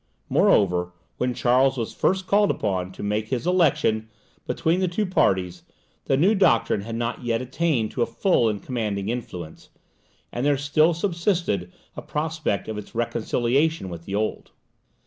Moreover, when Charles was first called upon to make his election between the two parties, the new doctrine had not yet attained to a full and commanding influence, and there still subsisted a prospect of its reconciliation with the old.